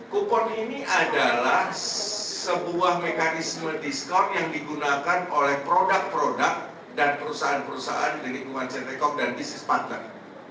kupon ini adalah sebuah mekanisme diskon yang digunakan oleh produk produk dan perusahaan perusahaan di lingkungan ct corp dan bisnis partner